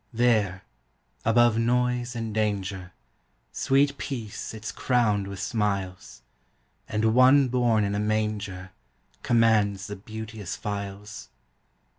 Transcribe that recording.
There, above noise and danger, Sweet peace sits crowned with smiles, And One born in a manger Commands the beauteous files.